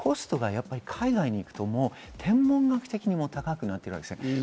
コストが海外に行くと天文学的に高くなっていきます。